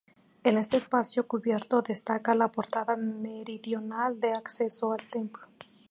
En este espacio cubierto destaca la portada meridional de acceso al templo.